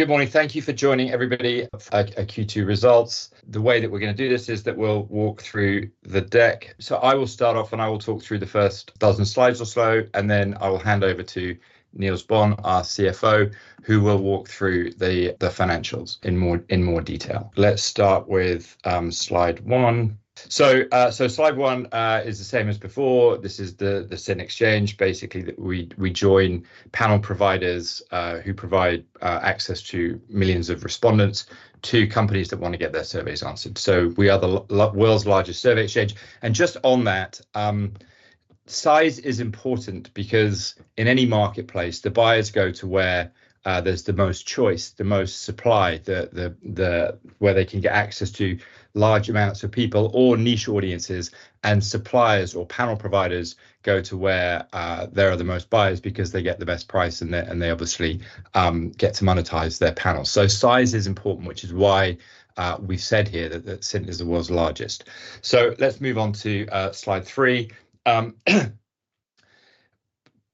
Good morning. Thank you for joining, everybody, for our Q2 results. The way that we're gonna do this is that we'll walk through the deck. So I will start off, and I will talk through the first dozen slides or so, and then I will hand over to Niels Boon, our CFO, who will walk through the financials in more detail. Let's start with slide one. So slide one is the same as before. This is the Cint Exchange, basically, that we join panel providers who provide access to millions of respondents, to companies that wanna get their surveys answered. So we are the world's largest survey exchange, and just on that, size is important because in any marketplace, the buyers go to where there's the most choice, the most supply, the... where they can get access to large amounts of people or niche audiences, and suppliers or panel providers go to where there are the most buyers because they get the best price, and they, and they obviously get to monetize their panel. So size is important, which is why we've said here that Cint is the world's largest. So let's move on to slide 3.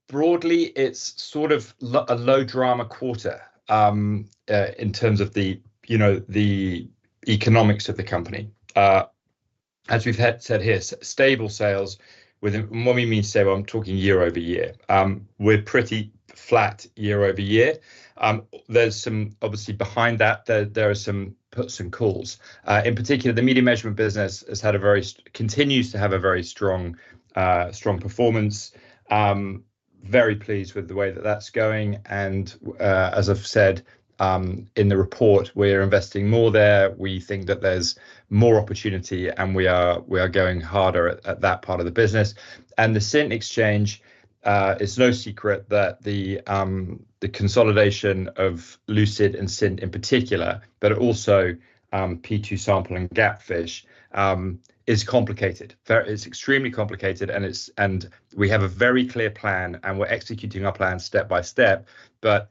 Broadly, it's sort of a low-drama quarter in terms of the, you know, the economics of the company. As we've said here, stable sales. When we mean stable, I'm talking year-over-year. We're pretty flat year-over-year. There's some. Obviously, behind that, there are some puts and takes. In particular, the media measurement business continues to have a very strong performance. I'm very pleased with the way that that's going, and as I've said in the report, we're investing more there. We think that there's more opportunity, and we are going harder at that part of the business. And the Cint Exchange, it's no secret that the consolidation of Lucid and Cint in particular, but also P2Sample and GapFish, is complicated. It's extremely complicated, and we have a very clear plan, and we're executing our plan step by step, but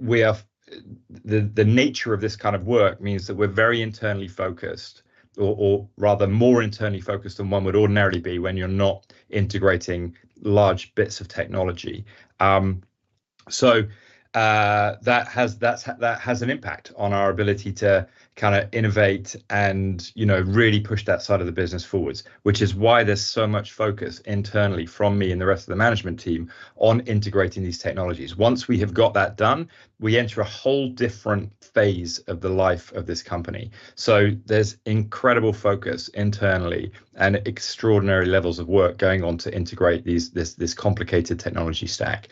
we are... The nature of this kind of work means that we're very internally focused or rather more internally focused than one would ordinarily be when you're not integrating large bits of technology. So that has an impact on our ability to kinda innovate and, you know, really push that side of the business forwards, which is why there's so much focus internally from me and the rest of the management team on integrating these technologies. Once we have got that done, we enter a whole different phase of the life of this company. So there's incredible focus internally and extraordinary levels of work going on to integrate these, this, this complicated technology stack.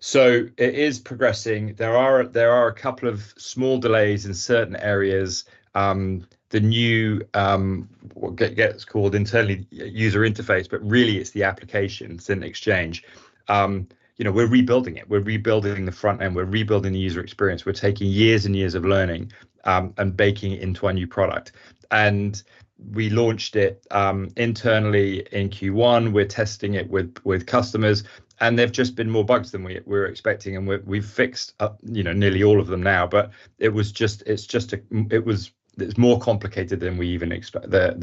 So it is progressing. There are a couple of small delays in certain areas. The new what gets called internally user interface, but really, it's the application, Cint Exchange. You know, we're rebuilding it. We're rebuilding the front end. We're rebuilding the user experience. We're taking years and years of learning and baking it into our new product, and we launched it internally in Q1. We're testing it with customers, and there've just been more bugs than we were expecting, and we've fixed, you know, nearly all of them now. But it was just... It's more complicated than we even expected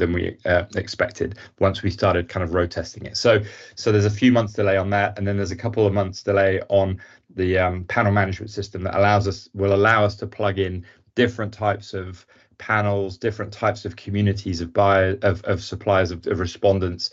once we started kind of road testing it. So there's a few months delay on that, and then there's a couple of months delay on the panel management system that will allow us to plug in different types of panels, different types of communities, of buyer, of suppliers, of respondents.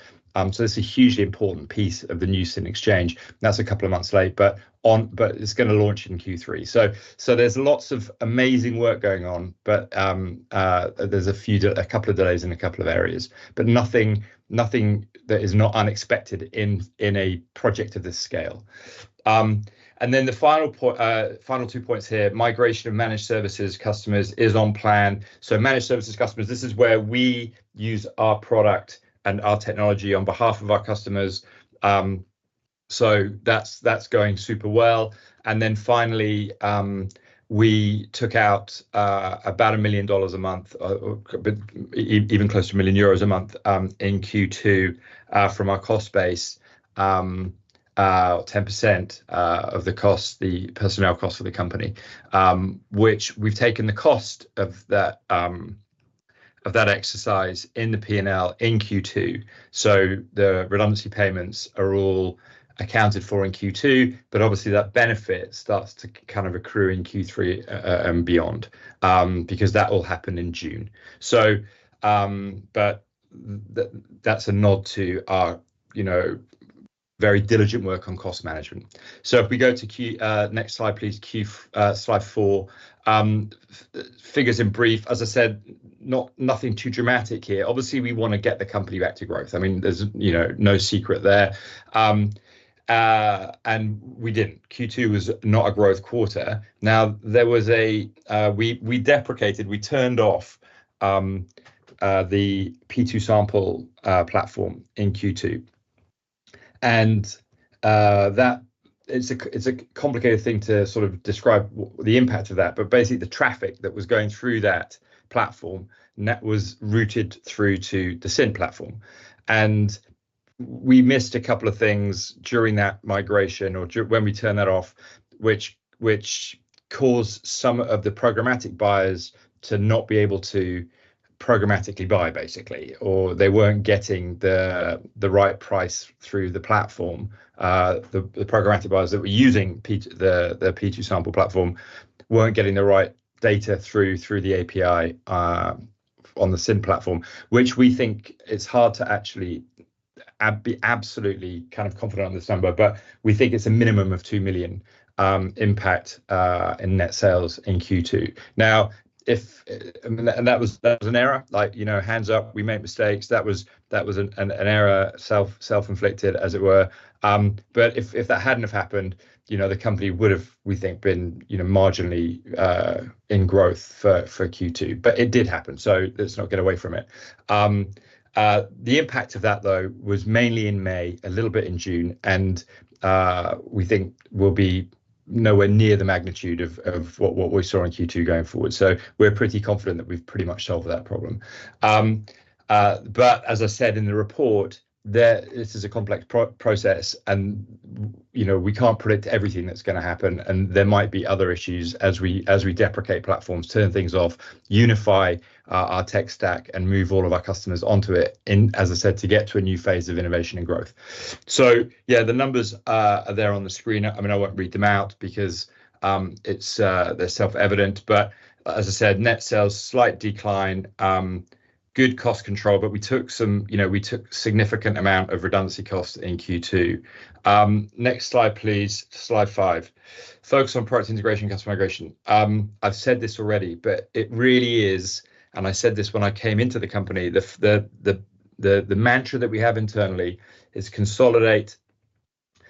So it's a hugely important piece of the new Cint Exchange. That's a couple of months late, but it's gonna launch in Q3. So there's lots of amazing work going on, but there's a couple of delays in a couple of areas, but nothing that is not unexpected in a project of this scale. And then the final two points here, migration of Managed Services customers is on plan. So Managed Services customers, this is where we use our product and our technology on behalf of our customers. So that's, that's going super well, and then finally, we took out about $1 million a month, or even close to 1 million euros a month, in Q2 from our cost base, 10% of the cost, the personnel cost for the company, which we've taken the cost of that, of that exercise in the P&L in Q2. So the redundancy payments are all accounted for in Q2, but obviously, that benefit starts to kind of accrue in Q3 and beyond, because that all happened in June. So that's a nod to our, you know, very diligent work on cost management. So if we go to Q... Next slide, please, Q, slide four. Figures in brief, as I said, nothing too dramatic here. Obviously, we wanna get the company back to growth. I mean, there's, you know, no secret there. And we didn't. Q2 was not a growth quarter. Now, there was a... We deprecated, we turned off the P2Sample platform in Q2, and that it's a complicated thing to sort of describe the impact of that, but basically, the traffic that was going through that platform, and that was routed through to the Cint platform, and we missed a couple of things during that migration or when we turned that off, which caused some of the programmatic buyers to not be able to... Programmatically buy basically, or they weren't getting the right price through the platform. The programmatic buyers that were using the P2Sample platform weren't getting the right data through the API on the Cint platform, which we think it's hard to actually be absolutely kind of confident on this number, but we think it's a minimum of 2 million impact in net sales in Q2. Now, and that was an error, like, you know, hands up, we made mistakes, that was an error, self-inflicted, as it were. But if that hadn't have happened, you know, the company would've, we think, been, you know, marginally in growth for Q2, but it did happen, so let's not get away from it. The impact of that, though, was mainly in May, a little bit in June, and we think will be nowhere near the magnitude of what we saw in Q2 going forward, so we're pretty confident that we've pretty much solved that problem. But as I said in the report, this is a complex process, and, you know, we can't predict everything that's gonna happen, and there might be other issues as we deprecate platforms, turn things off, unify our tech stack, and move all of our customers onto it, and as I said, to get to a new phase of innovation and growth. So yeah, the numbers are there on the screen. I mean, I won't read them out because it's, they're self-evident, but as I said, net sales, slight decline, good cost control, but we took some... You know, we took significant amount of redundancy costs in Q2. Next slide, please, slide five. Focus on product integration and customer migration. I've said this already, but it really is, and I said this when I came into the company, the mantra that we have internally is consolidate,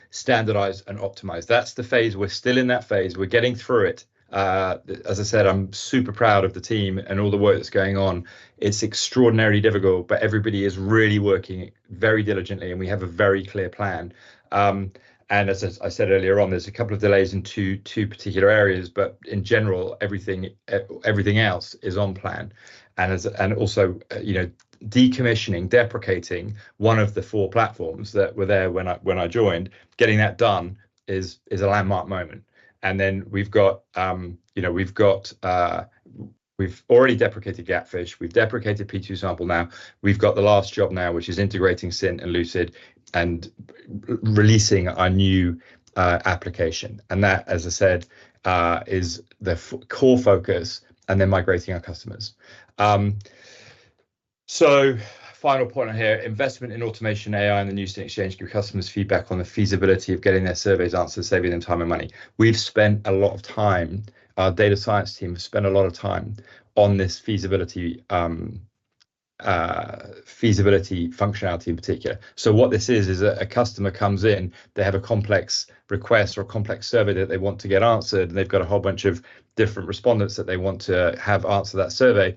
standardize, and optimize. That's the phase. We're still in that phase. We're getting through it. As I said, I'm super proud of the team and all the work that's going on. It's extraordinarily difficult, but everybody is really working very diligently, and we have a very clear plan. And as I said earlier on, there's a couple of delays in two particular areas, but in general, everything else is on plan. And also, you know, decommissioning, deprecating one of the four platforms that were there when I joined, getting that done is a landmark moment. And then we've got, you know, we've got. We've already deprecated GapFish. We've deprecated P2Sample now. We've got the last job now, which is integrating Cint and Lucid and releasing our new application, and that, as I said, is the core focus, and then migrating our customers. So final point on here, investment in automation, AI, and the new Cint exchange give customers feedback on the feasibility of getting their surveys answered, saving them time and money. We've spent a lot of time, our data science team has spent a lot of time on this feasibility, feasibility functionality in particular. So what this is, is a customer comes in, they have a complex request or a complex survey that they want to get answered, and they've got a whole bunch of different respondents that they want to have answer that survey.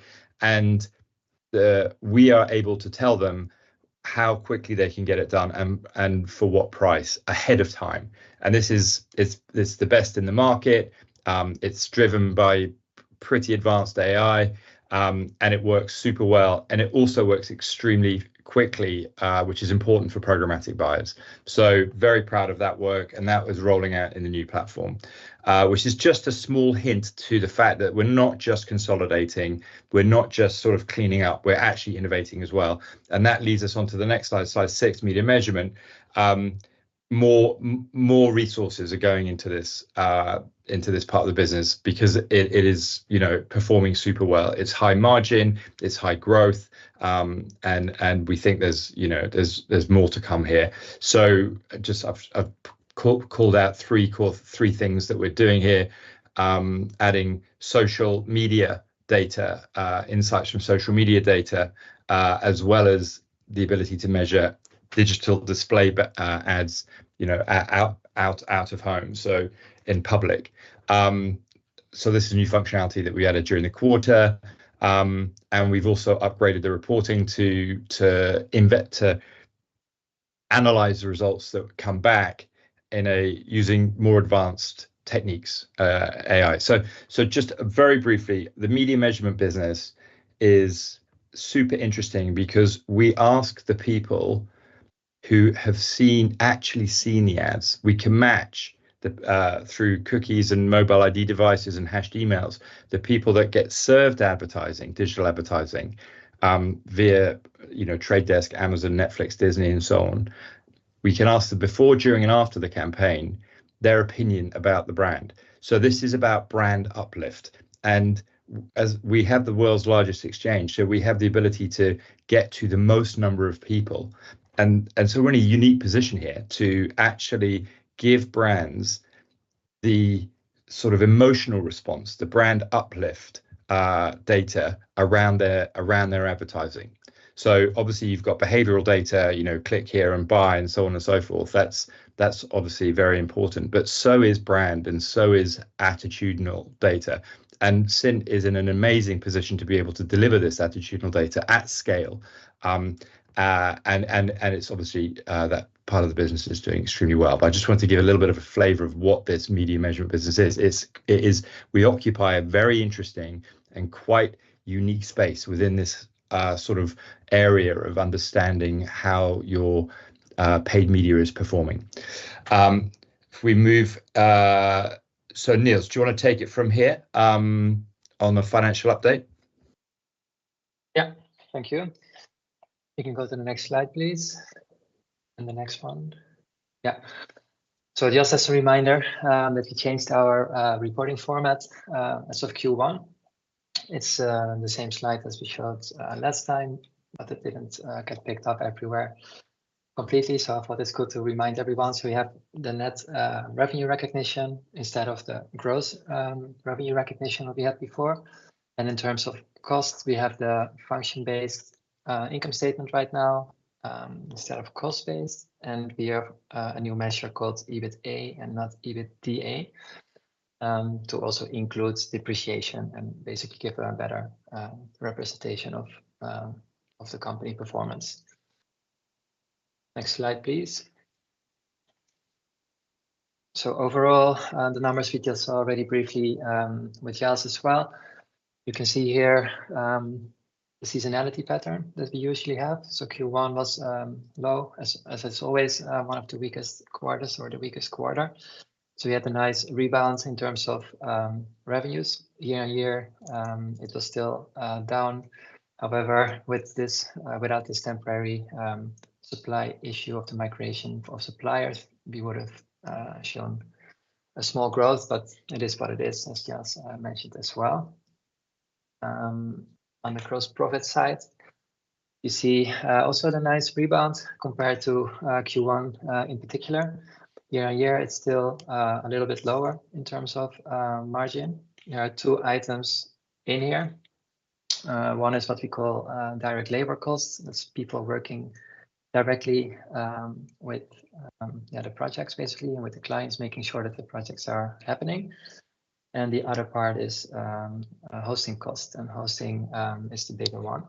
And we are able to tell them how quickly they can get it done and for what price ahead of time, and this is. It's the best in the market. It's driven by pretty advanced AI, and it works super well, and it also works extremely quickly, which is important for programmatic buyers. So very proud of that work, and that was rolling out in the new platform, which is just a small hint to the fact that we're not just consolidating, we're not just sort of cleaning up, we're actually innovating as well, and that leads us on to the next slide, slide six, media measurement. More resources are going into this, into this part of the business because it, it is, you know, performing super well. It's high margin, it's high growth, and we think there's, you know, there's more to come here. So just I've called out three core, three things that we're doing here. Adding social media data, insights from social media data, as well as the ability to measure digital display ads, you know, out of home, so in public. So this is a new functionality that we added during the quarter. And we've also upgraded the reporting to analyze the results that come back, using more advanced techniques, AI. So just very briefly, the media measurement business is super interesting because we ask the people who have seen, actually seen the ads. We can match, through cookies and mobile ID devices and hashed emails, the people that get served advertising, digital advertising via, you know, Trade Desk, Amazon, Netflix, Disney, and so on. We can ask them before, during, and after the campaign their opinion about the brand, so this is about brand uplift. As we have the world's largest exchange, so we have the ability to get to the most number of people, and so we're in a unique position here to actually give brands the sort of emotional response, the brand uplift, data around their advertising. So obviously, you've got behavioral data, you know, click here and buy, and so on and so forth. That's obviously very important, but so is brand, and so is attitudinal data. And Cint is in an amazing position to be able to deliver this attitudinal data at scale. And it's obviously that part of the business is doing extremely well. But I just wanted to give a little bit of a flavor of what this media measurement business is. It's, it is... We occupy a very interesting and quite unique space within this sort of area of understanding how your paid media is performing.... If we move, so Niels, do you want to take it from here, on the financial update? Yeah, thank you. You can go to the next slide, please. And the next one. Yeah. So just as a reminder, that we changed our reporting format as of Q1. It's the same slide as we showed last time, but it didn't get picked up everywhere completely, so I thought it's good to remind everyone. So we have the net revenue recognition instead of the gross revenue recognition that we had before. And in terms of costs, we have the function-based income statement right now instead of cost-based, and we have a new measure called EBITA and not EBITDA to also include depreciation and basically give a better representation of the company performance. Next slide, please. So overall, the numbers we just saw already briefly with Giles as well. You can see here, the seasonality pattern that we usually have. So Q1 was low, as it's always one of the weakest quarters or the weakest quarter. So we had a nice rebalance in terms of revenues. Year-on-year, it was still down. However, without this temporary supply issue of the migration of suppliers, we would have shown a small growth, but it is what it is, as Giles mentioned as well. On the gross profit side, you see also the nice rebound compared to Q1 in particular. Year-on-year, it's still a little bit lower in terms of margin. There are two items in here. One is what we call direct labor costs. That's people working directly, with, yeah, the projects basically, and with the clients, making sure that the projects are happening. And the other part is, hosting cost, and hosting, is the bigger one.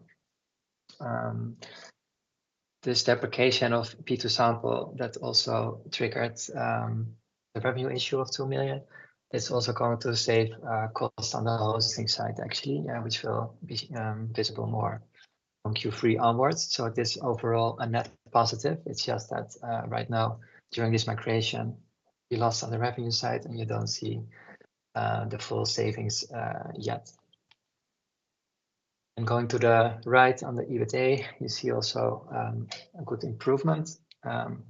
This deprecation of P2Sample that also triggered, the revenue issue of 2 million, it's also going to save, costs on the hosting side actually, which will be, visible more from Q3 onwards. So it is overall a net positive. It's just that, right now, during this migration, we lost on the revenue side, and you don't see, the full savings, yet. Going to the right on the EBITA, you see also a good improvement,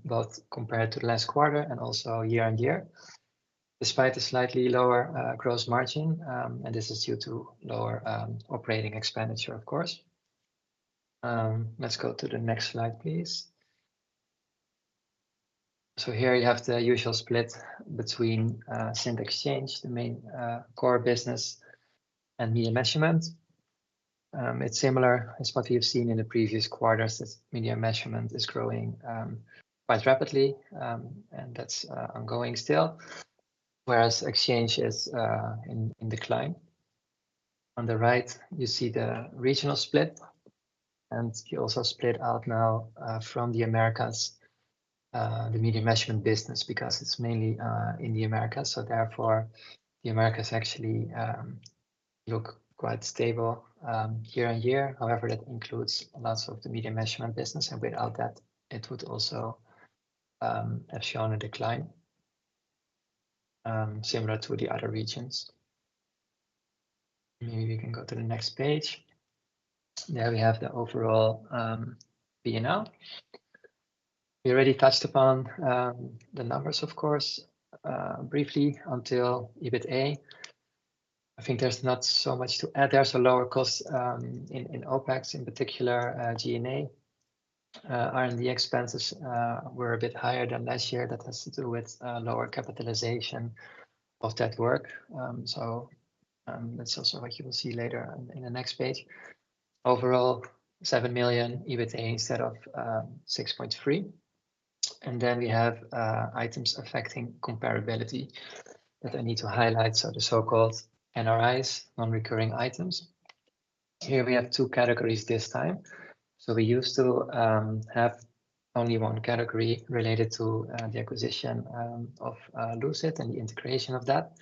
both compared to last quarter and also year-over-year, despite the slightly lower gross margin, and this is due to lower operating expenditure, of course. Let's go to the next slide, please. Here you have the usual split between Cint Exchange, the main core business, and media measurement. It's similar as what we have seen in the previous quarters, as media measurement is growing quite rapidly, and that's ongoing still, whereas exchange is in decline. On the right, you see the regional split, and we also split out now from the Americas the media measurement business, because it's mainly in the Americas. Therefore, the Americas actually look quite stable year-over-year. However, that includes lots of the media measurement business, and without that, it would also have shown a decline similar to the other regions. Maybe we can go to the next page. There we have the overall P&L. We already touched upon the numbers of course briefly until EBITA. I think there's not so much to add. There's a lower cost in OpEx, in particular, G&A. R&D expenses were a bit higher than last year. That has to do with lower capitalization of that work. So, that's also what you will see later on in the next page. Overall, 7 million EBITA instead of 6.3 million. And then we have items affecting comparability that I need to highlight, so the so-called NRIs, non-recurring items. Here we have two categories this time. So we used to have only one category related to the acquisition of Lucid and the integration of that.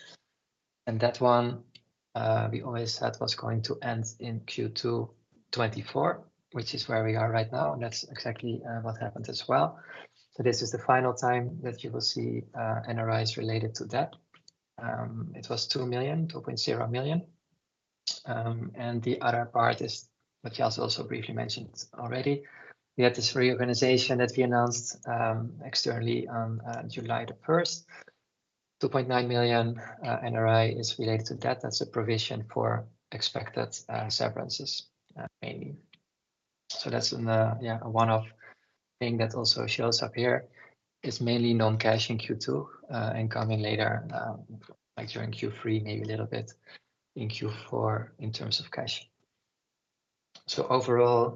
And that one we always said was going to end in Q2 2024, which is where we are right now, and that's exactly what happened as well. So this is the final time that you will see NRIs related to that. It was 2.0 million. And the other part is what Giles also briefly mentioned already. We had this reorganization that we announced externally on July the first. 2.9 million NRI is related to that. That's a provision for expected severances mainly. So that's in the yeah, one-off thing that also shows up here. It's mainly non-cash in Q2, and coming later, like during Q3, maybe a little bit in Q4 in terms of cash. So overall,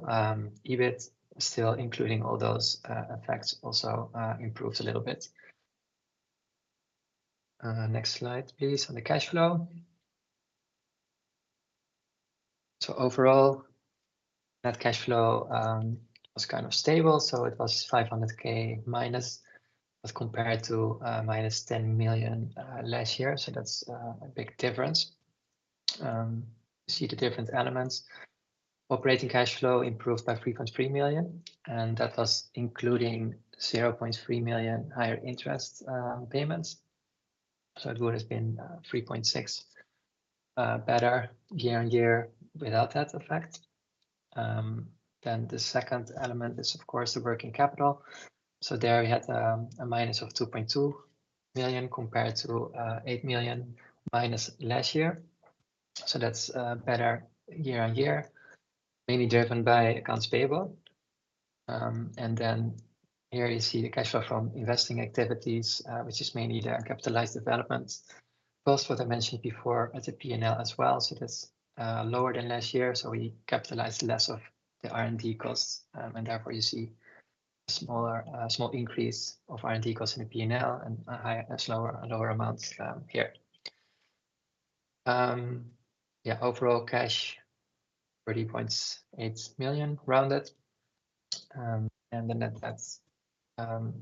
EBIT still including all those, effects, also, improved a little bit. Next slide, please, on the cash flow. So overall, net cash flow, was kind of stable, so it was 500K minus, as compared to, minus 10 million, last year, so that's, a big difference. See the different elements. Operating cash flow improved by 3.3 million, and that was including 0.3 million higher interest, payments. So it would have been, 3.6, better year on year without that effect. Then the second element is, of course, the working capital. So there we had a minus of 2.2 million compared to 8 million minus last year. So that's better year-on-year, mainly driven by accounts payable. And then here you see the cash flow from investing activities, which is mainly the capitalized development. Both what I mentioned before at the P&L as well, so that's lower than last year, so we capitalized less of the R&D costs. And therefore you see a small increase of R&D costs in the P&L and lower amounts here. Yeah, overall cash 30.8 million rounded. And the net debt,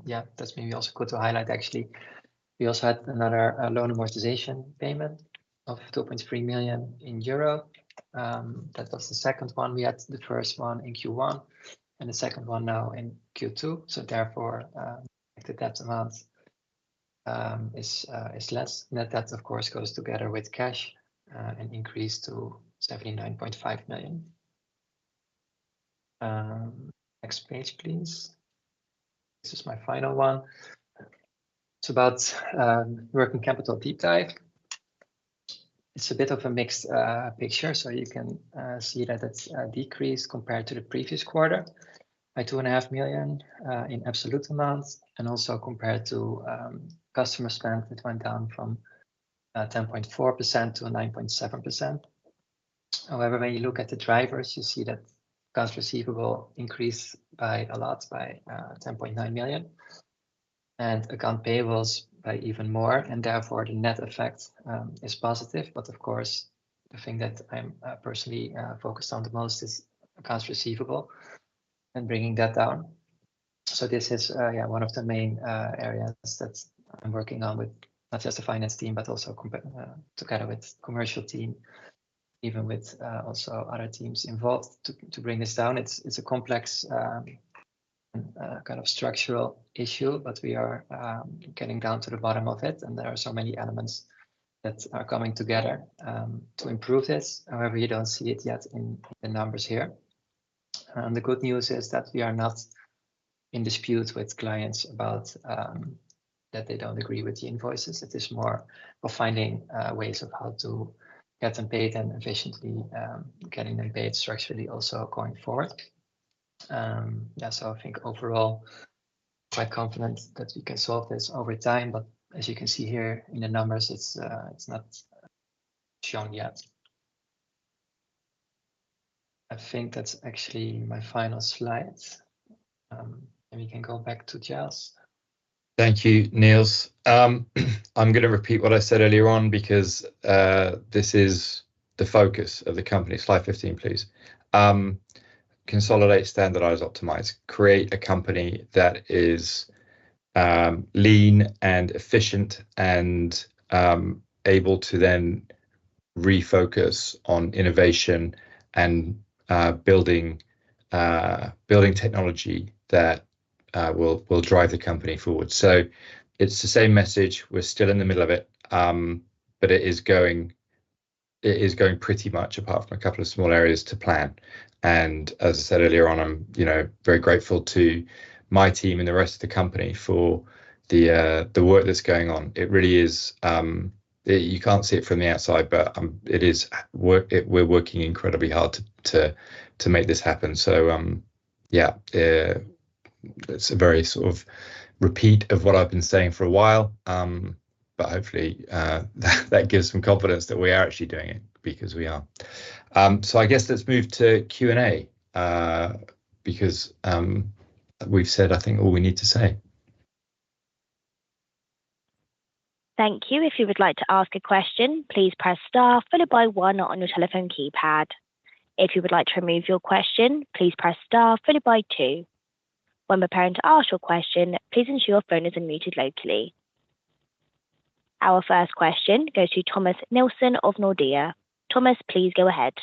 yeah, that's maybe also good to highlight actually. We also had another loan amortization payment of 2.3 million euro. That was the second one. We had the first one in Q1 and the second one now in Q2, so therefore, the debt amount is less. Net debt, of course, goes together with cash, and increased to 79.5 million. Next page, please. This is my final one. It's about working capital deep dive. It's a bit of a mixed picture, so you can see that it's decreased compared to the previous quarter by 2.5 million in absolute amounts, and also compared to customer spend, it went down from 10.4% to 9.7%. However, when you look at the drivers, you see that accounts receivable increased by a lot, by 10.9 million, and accounts payable by even more, and therefore, the net effect is positive. But of course, the thing that I'm personally focused on the most is accounts receivable and bringing that down. So this is, yeah, one of the main areas that I'm working on with not just the finance team, but also together with commercial team, even with also other teams involved to bring this down. It's a complex kind of structural issue, but we are getting down to the bottom of it, and there are so many elements that are coming together to improve this. However, you don't see it yet in the numbers here. The good news is that we are not in dispute with clients about that they don't agree with the invoices. It is more we're finding ways of how to get them paid and efficiently getting them paid structurally also going forward. Yeah, so I think overall, quite confident that we can solve this over time, but as you can see here in the numbers, it's not shown yet. I think that's actually my final slide. We can go back to Giles. Thank you, Niels. I'm gonna repeat what I said earlier on because this is the focus of the company. Slide 15, please. Consolidate, standardize, optimize. Create a company that is lean and efficient and able to then refocus on innovation and building technology that will drive the company forward. So it's the same message. We're still in the middle of it, but it is going, it is going pretty much, apart from a couple of small areas, to plan. And as I said earlier on, I'm, you know, very grateful to my team and the rest of the company for the work that's going on. It really is. You can't see it from the outside, but it is. We're working incredibly hard to make this happen. So, yeah, it's a very sort of repeat of what I've been saying for a while. But hopefully, that gives some confidence that we are actually doing it, because we are. So I guess let's move to Q&A, because we've said, I think, all we need to say. Thank you. If you would like to ask a question, please press star followed by one on your telephone keypad. If you would like to remove your question, please press star followed by two. When preparing to ask your question, please ensure your phone is unmuted locally. Our first question goes to Thomas Nilsson of Nordea. Thomas, please go ahead.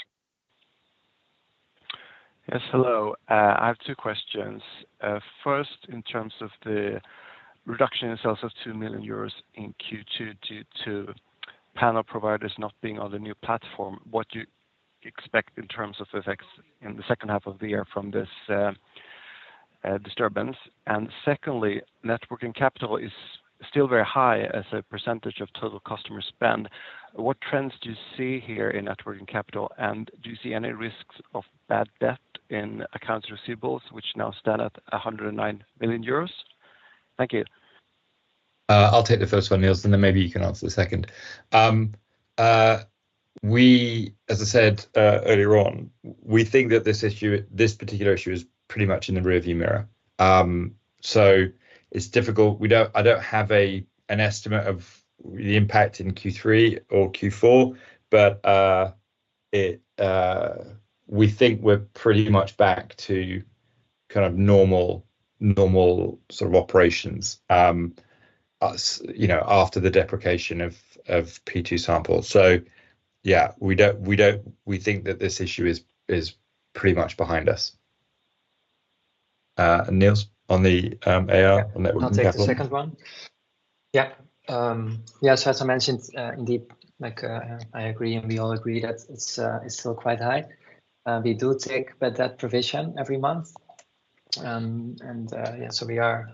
Yes, hello. I have two questions. First, in terms of the reduction in sales of 2 million euros in Q2 due to panel providers not being on the new platform, what do you expect in terms of effects in the second half of the year from this disturbance? And secondly, net working capital is still very high as a percentage of total customer spend. What trends do you see here in net working capital, and do you see any risks of bad debt in accounts receivables, which now stand at 109 million euros? Thank you. I'll take the first one, Niels, and then maybe you can answer the second. As I said earlier on, we think that this issue, this particular issue is pretty much in the rearview mirror. So it's difficult. I don't have an estimate of the impact in Q3 or Q4, but we think we're pretty much back to kind of normal, normal sort of operations, as you know, after the deprecation of P2Sample. So yeah, we don't think that this issue is pretty much behind us. Niels, on the our network platform? I'll take the second one. Yeah. Yeah, so as I mentioned, indeed, like, I agree, and we all agree that it's still quite high. We do take bad debt provision every month. Yeah, so we are,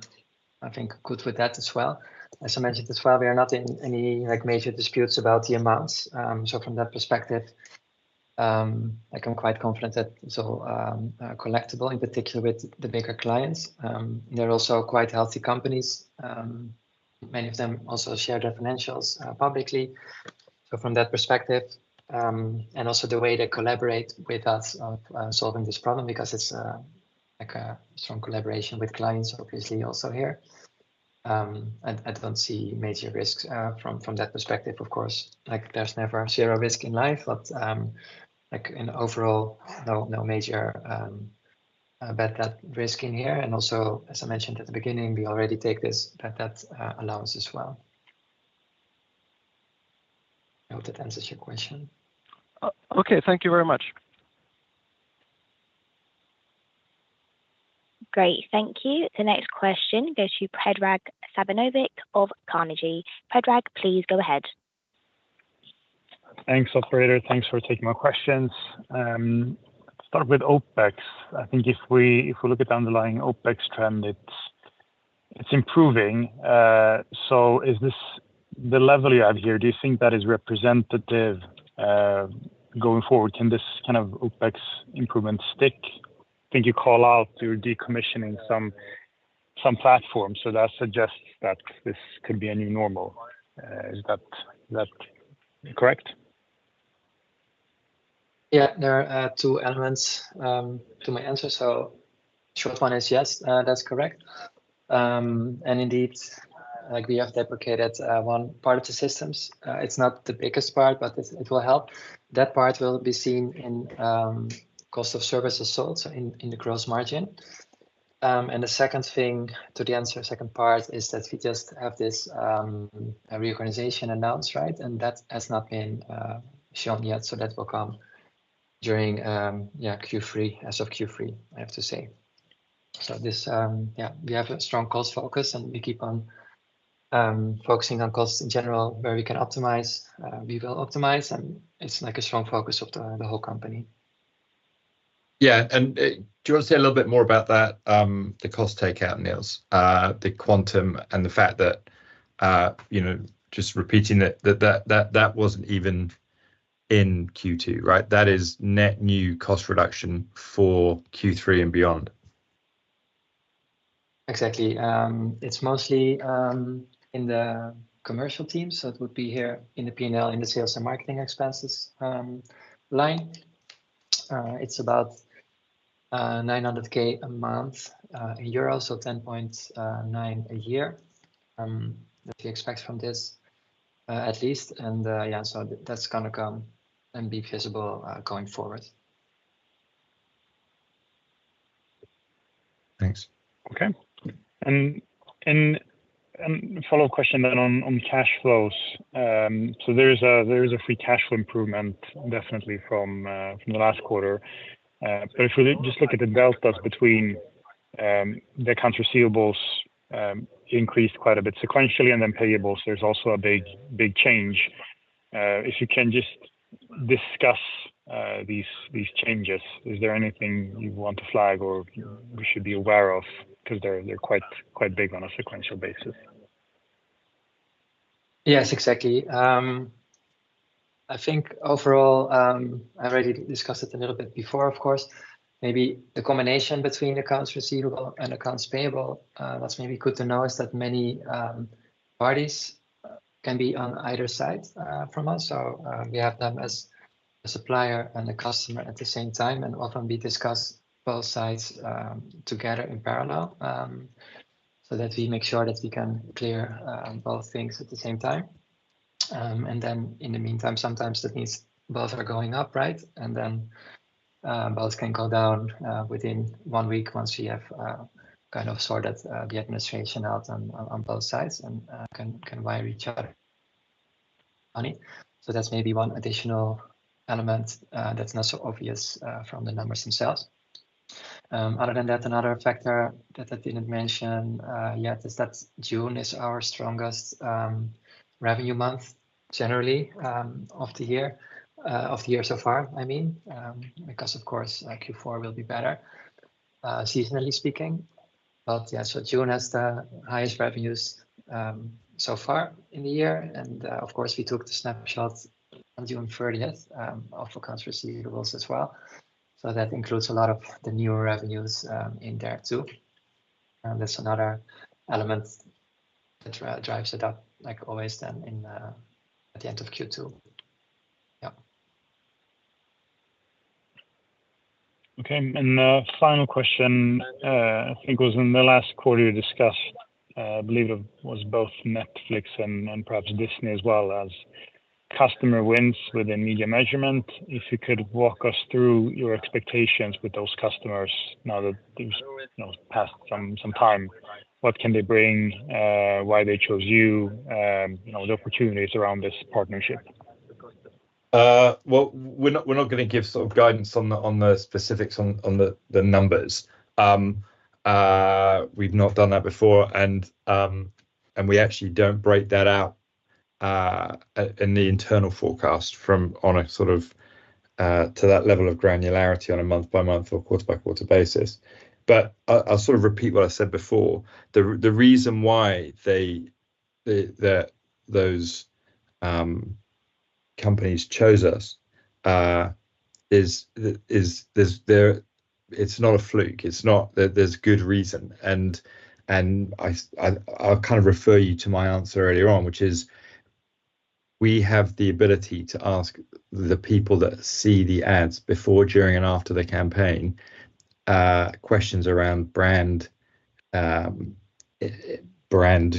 I think, good with that as well. As I mentioned as well, we are not in any, like, major disputes about the amounts. So from that perspective, like I'm quite confident that so, collectible in particular with the bigger clients, they're also quite healthy companies. Many of them also share their financials publicly. So from that perspective, and also the way they collaborate with us on solving this problem because it's, like a strong collaboration with clients, obviously also here. I, I don't see major risks, from, from that perspective, of course. Like, there's never zero risk in life, but, like in overall, no, no major, bad debt risk in here. And also, as I mentioned at the beginning, we already take this, bad debt, allowance as well. I hope that answers your question. Okay. Thank you very much. Great. Thank you. The next question goes to Predrag Savinovic of Carnegie. Predrag, please go ahead. Thanks, operator. Thanks for taking my questions. Start with OpEx. I think if we, if we look at the underlying OpEx trend, it's, it's improving. So is this the level you have here, do you think that is representative going forward? Can this kind of OpEx improvement stick? I think you call out you're decommissioning some, some platforms, so that suggests that this could be a new normal. Is that correct? Yeah, there are two elements to my answer. So short one is, yes, that's correct. And indeed, like we have deprecated one part of the systems. It's not the biggest part, but it will help. That part will be seen in cost of service sold, so in the gross margin. And the second thing to the answer, second part, is that we just have this reorganization announced, right? And that has not been shown yet, so that will come during, yeah, Q3, as of Q3, I have to say. So this, yeah, we have a strong cost focus, and we keep on focusing on costs in general, where we can optimize, we will optimize, and it's like a strong focus of the whole company. Yeah, and do you want to say a little bit more about that, the cost takeout, Niels? The quantum and the fact that, you know, just repeating that that wasn't even in Q2, right? That is net new cost reduction for Q3 and beyond. Exactly. It's mostly in the commercial team, so it would be here in the P&L, in the sales and marketing expenses line. It's about 900,000 a month in euro, so 10.9 million a year that we expect from this at least. And yeah, so that's gonna come and be visible going forward. Thanks. Okay. A follow-up question then on cash flows. So there is a free cash flow improvement definitely from the last quarter. But if we just look at the deltas between the accounts receivables increased quite a bit sequentially, and then payables, there's also a big change. If you can just discuss these changes. Is there anything you want to flag or we should be aware of? 'Cause they're quite big on a sequential basis. Yes, exactly. I think overall, I already discussed it a little bit before, of course. Maybe the combination between accounts receivable and accounts payable, what's maybe good to know is that many parties can be on either side from us. So, we have them as a supplier and a customer at the same time, and often we discuss both sides together in parallel, so that we make sure that we can clear both things at the same time. And then in the meantime, sometimes that means both are going up, right? And then, both can go down within one week once we have kind of sorted the administration out on both sides and can wire each other money. So that's maybe one additional element, that's not so obvious, from the numbers themselves. Other than that, another factor that I didn't mention yet, is that June is our strongest revenue month, generally, of the year, of the year so far, I mean. Because of course, like Q4 will be better, seasonally speaking. But yeah, so June has the highest revenues, so far in the year, and, of course, we took the snapshot on June thirtieth, of accounts receivables as well. So that includes a lot of the newer revenues, in there too. And that's another element that drives it up, like always then in the, at the end of Q2. Yeah. Okay, and the final question, I think was in the last quarter you discussed, I believe it was both Netflix and, and perhaps Disney as well as customer wins within media measurement. If you could walk us through your expectations with those customers now that there's, you know, passed some time, what can they bring, why they chose you, you know, the opportunities around this partnership? Well, we're not gonna give sort of guidance on the specifics on the numbers. We've not done that before, and we actually don't break that out in the internal forecast on a sort of to that level of granularity on a month-by-month or quarter-by-quarter basis. But I'll sort of repeat what I said before. The reason why those companies chose us is there's there... It's not a fluke. It's not, there's good reason, and I'll kind of refer you to my answer earlier on, which is, we have the ability to ask the people that see the ads before, during, and after the campaign, questions around brand, brand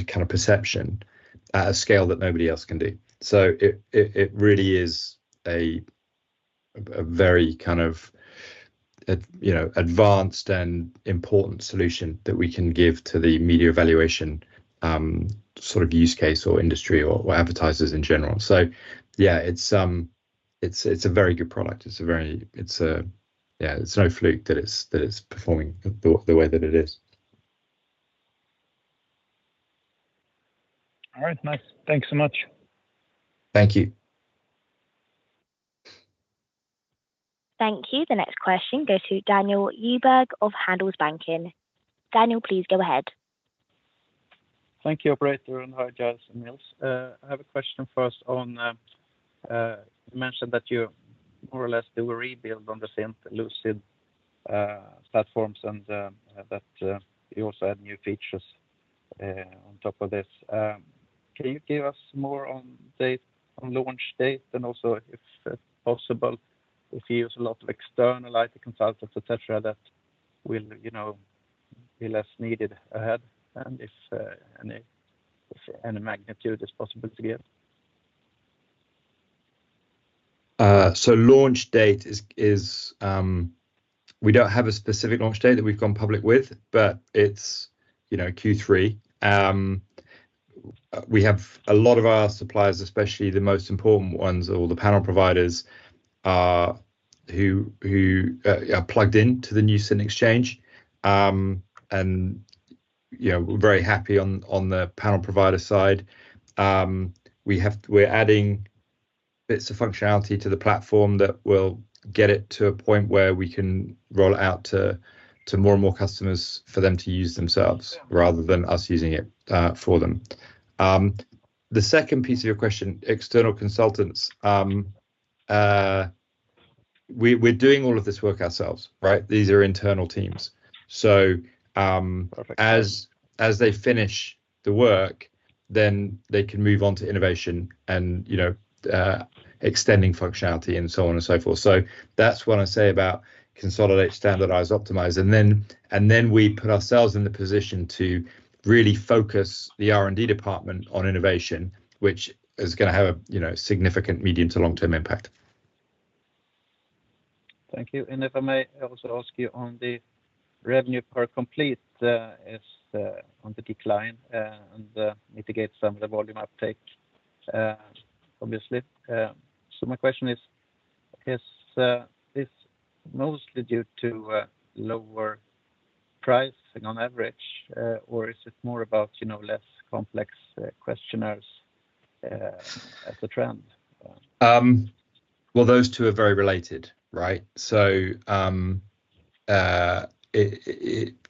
kind of perception at a scale that nobody else can do. So it really is a very kind of a, you know, advanced and important solution that we can give to the media evaluation, sort of use case or industry or advertisers in general. So yeah, it's a very good product. It's a very... It's a, yeah, it's no fluke that it's performing the way that it is. All right. Nice. Thanks so much. Thank you. Thank you. The next question goes to Daniel Djurberg of Handelsbanken. Daniel, please go ahead. Thank you, operator, and hi, Giles and Nils. I have a question first on, you mentioned that you more or less do a rebuild on the same Lucid platforms and that you also add new features on top of this. Can you give us more on date, on launch date, and also, if it's possible, if you use a lot of external IT consultants, et cetera, that will, you know, be less needed ahead, and if any magnitude is possible to give? So, launch date is. We don't have a specific launch date that we've gone public with, but it's, you know, Q3. We have a lot of our suppliers, especially the most important ones, all the panel providers, who are plugged into the new Cint exchange. You know, we're very happy on the panel provider side. We're adding bits of functionality to the platform that will get it to a point where we can roll out to more and more customers for them to use themselves, rather than us using it for them. The second piece of your question, external consultants. We're doing all of this work ourselves, right? These are internal teams. So,... as they finish the work, then they can move on to innovation, and, you know, extending functionality, and so on and so forth. So that's what I say about consolidate, standardize, optimize. And then we put ourselves in the position to really focus the R&D department on innovation, which is gonna have a, you know, significant medium to long-term impact. Thank you. And if I may also ask you on the revenue per complete is on the decline and mitigate some of the volume uptake, obviously. So my question is, is this mostly due to lower pricing on average, or is it more about, you know, less complex questionnaires, as a trend? Well, those two are very related, right? So, it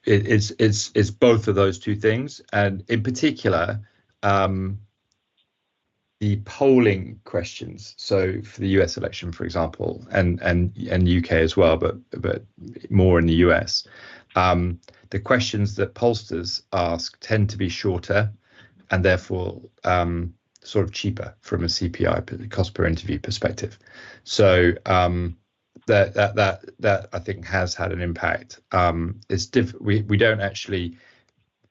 is both of those two things, and in particular, the polling questions, so for the U.S. election, for example, and the U.K. as well, but more in the U.S. The questions that pollsters ask tend to be shorter, and therefore, sort of cheaper from a CPI, cost per interview perspective. So, that, I think, has had an impact. It's difficult—we don't actually...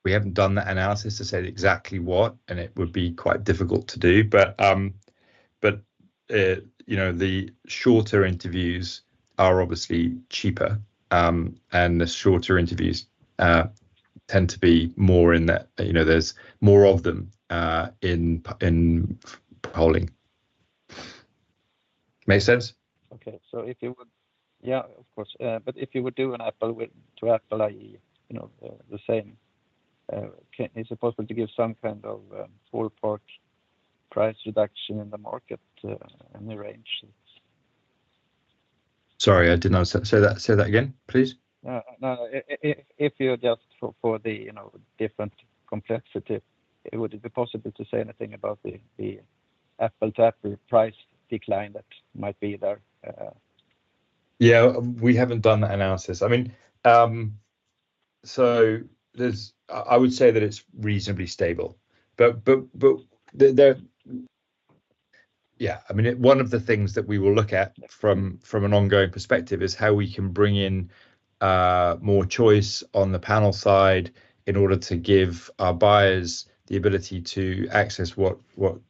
We haven't done the analysis to say exactly what, and it would be quite difficult to do, but, you know, the shorter interviews are obviously cheaper. And the shorter interviews tend to be more in that, you know, there's more of them in polling. Make sense? Okay. So if you would... Yeah, of course. But if you would do an apples-to-apples, you know, the same, is it possible to give some kind of full portfolio price reduction in the market, in the range? Sorry, I did not... say that, say that again, please. No, if you adjust for the, you know, different complexity, would it be possible to say anything about the apples-to-apples price decline that might be there? Yeah, we haven't done that analysis. I mean, so there's, I would say that it's reasonably stable, but the, yeah, I mean, it- one of the things that we will look at from an ongoing perspective is how we can bring in more choice on the panel side in order to give our buyers the ability to access what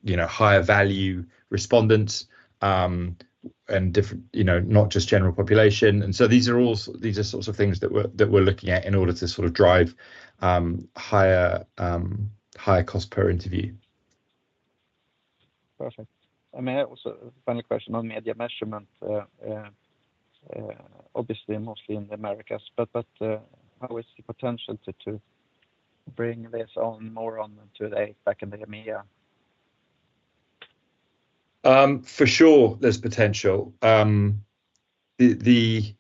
you know, higher value respondents and different, you know, not just general population. And so these are all these are sorts of things that we're looking at in order to sort of drive higher higher cost per interview. Perfect. I may have also a final question on media measurement. Obviously, mostly in the Americas, but how is the potential to bring this on more on today back in the EMEA? For sure, there's potential. It's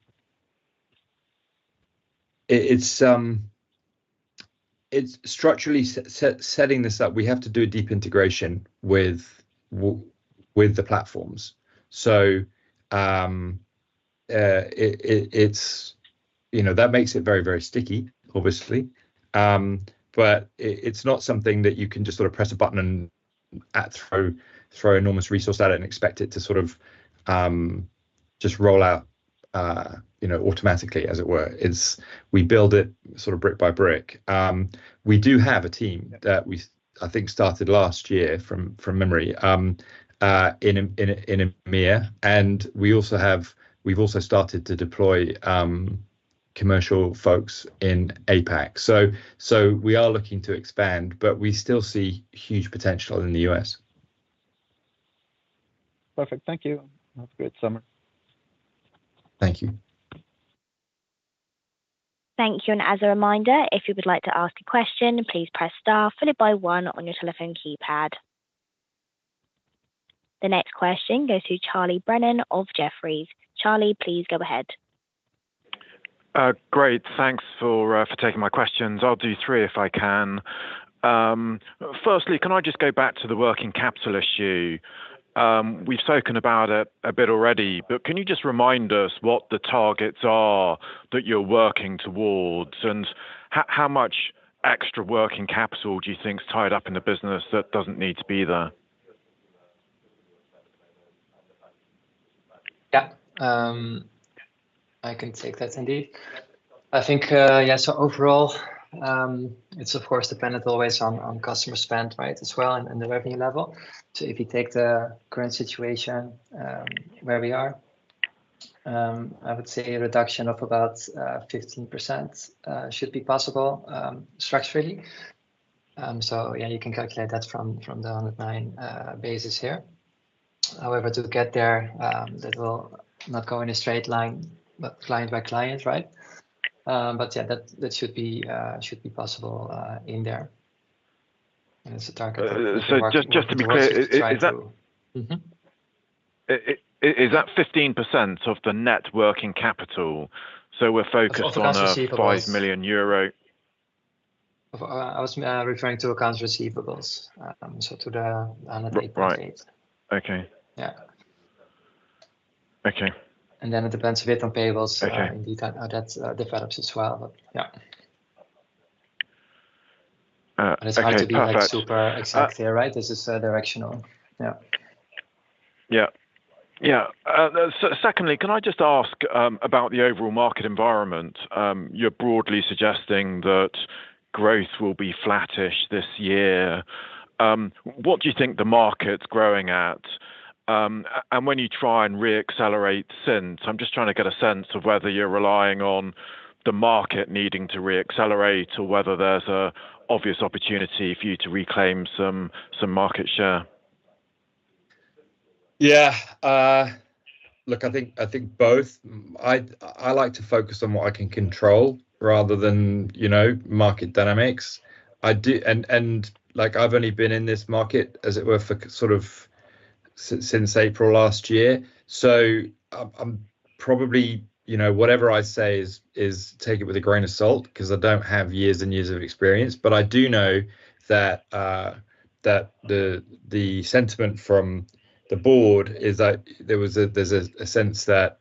structurally setting this up, we have to do a deep integration with the platforms. So, it's, you know, that makes it very, very sticky, obviously. But it's not something that you can just sort of press a button and throw enormous resource at it and expect it to sort of just roll out, you know, automatically, as it were. We build it sort of brick by brick. We do have a team that we, I think, started last year, from memory, in EMEA, and we've also started to deploy commercial folks in APAC. So we are looking to expand, but we still see huge potential in the U.S. Perfect. Thank you. That's a great summary. Thank you. Thank you, and as a reminder, if you would like to ask a question, please press star followed by one on your telephone keypad. The next question goes to Charlie Brennan of Jefferies. Charlie, please go ahead. Great. Thanks for taking my questions. I'll do three if I can. Firstly, can I just go back to the working capital issue? We've spoken about it a bit already, but can you just remind us what the targets are that you're working towards, and how much extra working capital do you think is tied up in the business that doesn't need to be there? Yeah. I can take that indeed. I think, yeah, so overall, it's, of course, dependent always on, on customer spend, right, as well, and, and the revenue level. So if you take the current situation, where we are, I would say a reduction of about 15%, should be possible, structurally. So yeah, you can calculate that from, from the 109 basis here. However, to get there, that will not go in a straight line, but client by client, right? But yeah, that, that should be, should be possible, in there. And it's a target- So, just to be clear, is that- Mm-hmm. Is that 15% of the Net Working Capital? So we're focused on- Of accounts receivable... 5 million euro. I was referring to accounts receivables to the 108.8. Right. Okay. Yeah. Okay. And then it depends a bit on payables- Okay... and how that, develops as well, but yeah. Okay, perfect. It's hard to be, like, super exactly, right? This is directional. Yeah. Yeah. Yeah. So secondly, can I just ask about the overall market environment? You're broadly suggesting that growth will be flattish this year. What do you think the market's growing at? And when you try and re-accelerate Cint, I'm just trying to get a sense of whether you're relying on the market needing to re-accelerate or whether there's an obvious opportunity for you to reclaim some market share. Yeah. Look, I think both. I like to focus on what I can control rather than, you know, market dynamics. Like, I've only been in this market, as it were, for sort of since April last year, so I'm probably, you know, whatever I say is take it with a grain of salt, 'cause I don't have years and years of experience. But I do know that the sentiment from the board is that there's a sense that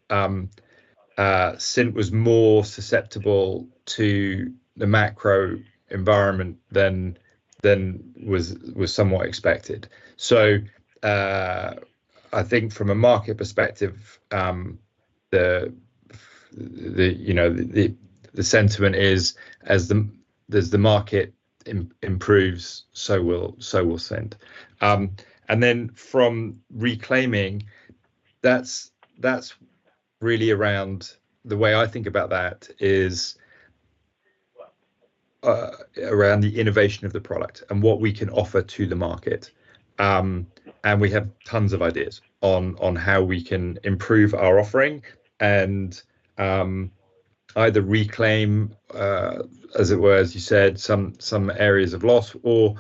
Cint was more susceptible to the macro environment than was somewhat expected. So, I think from a market perspective, the sentiment is, as the market improves, so will Cint. And then from reclaiming, that's really around... The way I think about that is around the innovation of the product and what we can offer to the market. And we have tons of ideas on how we can improve our offering and either reclaim, as it were, as you said, some areas of loss or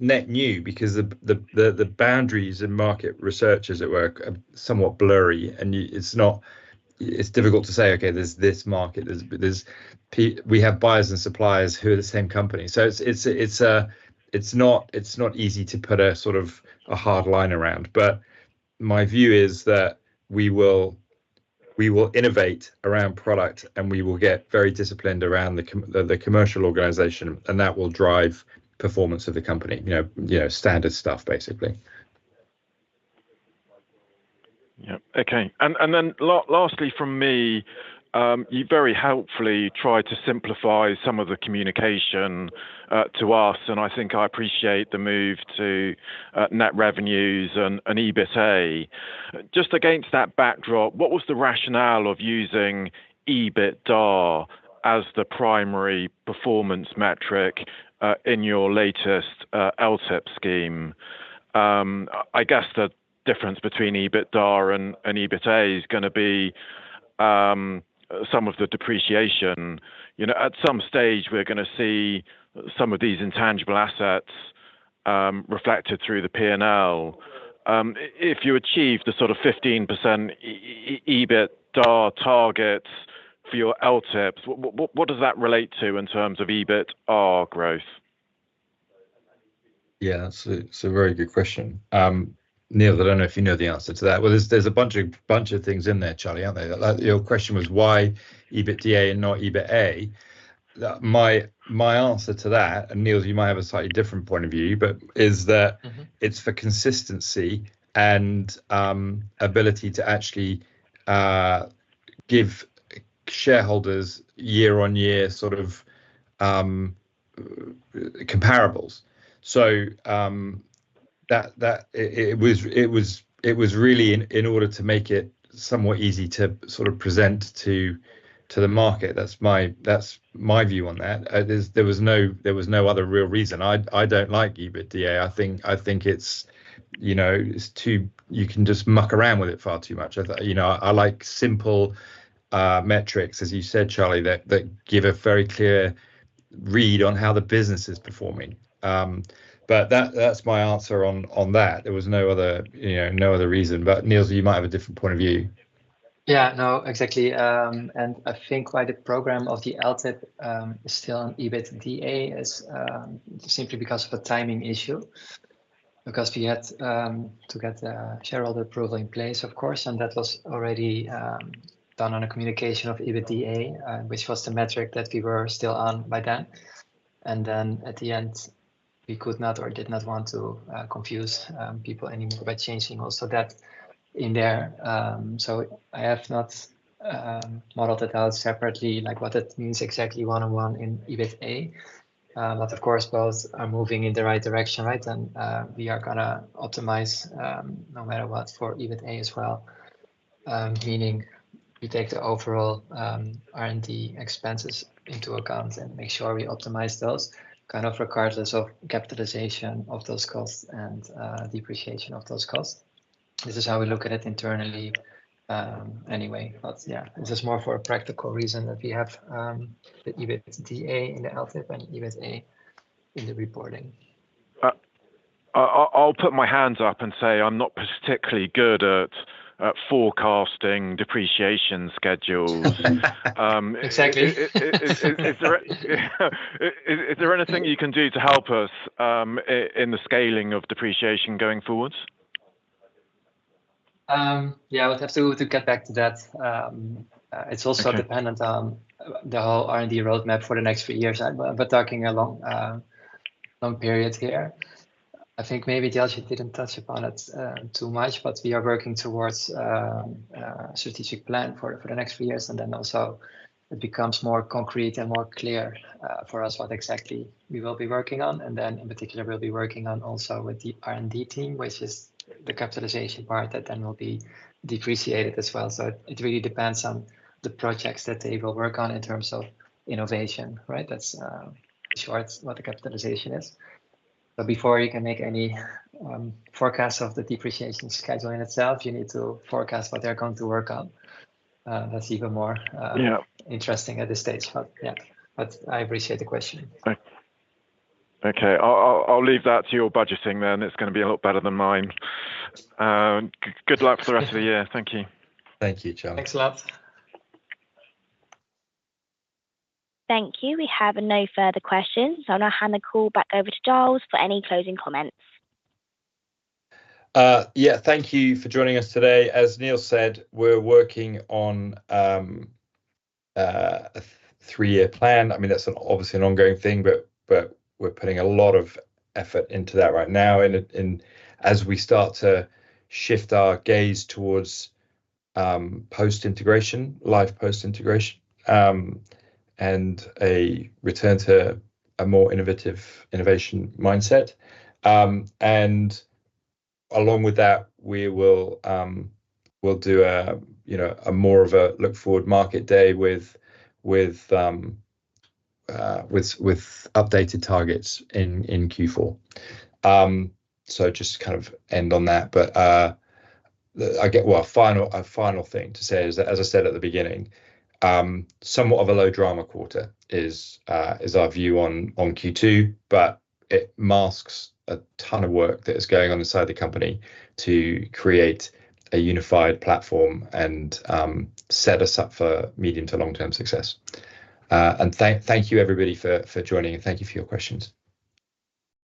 net new, because the boundaries in market research, as it were, are somewhat blurry, and it's not... It's difficult to say, "Okay, there's this market." There's buyers and suppliers who are the same company. So it's not easy to put a sort of a hard line around. But my view is that we will innovate around product, and we will get very disciplined around the commercial organization, and that will drive performance of the company. You know, you know, standard stuff, basically.... Yeah, okay. And then lastly from me, you very helpfully tried to simplify some of the communication to us, and I think I appreciate the move to net revenues and EBITDA. Just against that backdrop, what was the rationale of using EBITDA as the primary performance metric in your latest LTIP scheme? I guess the difference between EBITDA and EBITA is gonna be some of the depreciation. You know, at some stage we're gonna see some of these intangible assets reflected through the P&L. If you achieve the sort of 15% EBITDA targets for your LTIPs, what does that relate to in terms of EBITDA growth? Yeah, that's a very good question. Niels, I don't know if you know the answer to that. Well, there's a bunch of things in there, Charlie, aren't there? That your question was why EBITDA and not EBITA? My answer to that, and Niels, you might have a slightly different point of view, but is that- Mm-hmm... it's for consistency and ability to actually give shareholders year-on-year sort of comparables. So, that it was really in order to make it somewhat easy to sort of present to the market. That's my, that's my view on that. There's no other real reason. I don't like EBITDA. I think it's, you know, it's too... You can just muck around with it far too much. You know, I like simple metrics, as you said, Charlie, that give a very clear read on how the business is performing. But that's my answer on that. There was no other, you know, no other reason, but Niels, you might have a different point of view. Yeah. No, exactly. And I think why the program of the LTIP is still on EBITDA is simply because of a timing issue. Because we had to get the shareholder approval in place, of course, and that was already done on a communication of EBITDA, which was the metric that we were still on by then. And then at the end, we could not or did not want to confuse people anymore by changing also that in there. So I have not modeled it out separately, like what that means exactly one-on-one in EBITA. But of course, both are moving in the right direction, right? And we are gonna optimize no matter what, for EBITA as well. Meaning we take the overall R&D expenses into account and make sure we optimize those, kind of regardless of capitalization of those costs and depreciation of those costs. This is how we look at it internally, anyway. But yeah, it's just more for a practical reason that we have the EBITDA in the LTIP and EBITA in the reporting. I'll put my hands up and say I'm not particularly good at forecasting depreciation schedules. Exactly. Is there anything you can do to help us in the scaling of depreciation going forward? Yeah, I would have to get back to that. Okay... it's also dependent on the whole R&D roadmap for the next few years. We're talking a long, long period here. I think maybe Giles, you didn't touch upon it, too much, but we are working towards, strategic plan for, for the next few years, and then also it becomes more concrete and more clear, for us, what exactly we will be working on. And then in particular, we'll be working on also with the R&D team, which is the capitalization part, that then will be depreciated as well. So it really depends on the projects that they will work on in terms of innovation, right? That's, sure it's what the capitalization is, but before you can make any, forecast of the depreciation schedule in itself, you need to forecast what they're going to work on. That's even more, Yeah... interesting at this stage. But yeah, but I appreciate the question. Thank you. Okay, I'll leave that to your budgeting then. It's gonna be a lot better than mine. Good luck for the rest of the year. Thank you. Thank you, Charlie. Thanks a lot. Thank you. We have no further questions, so I'll now hand the call back over to Giles for any closing comments. Yeah, thank you for joining us today. As Niels said, we're working on a three-year plan. I mean, that's obviously an ongoing thing, but we're putting a lot of effort into that right now, and as we start to shift our gaze towards post-integration, live post-integration, and a return to a more innovative innovation mindset. And along with that, we will, we'll do a, you know, a more of a look-forward market day with updated targets in Q4. So just to kind of end on that, but I get... Well, a final thing to say is that, as I said at the beginning, somewhat of a low-drama quarter is our view on Q2, but it masks a ton of work that is going on inside the company to create a unified platform and set us up for medium to long-term success. And thank you, everybody, for joining and thank you for your questions.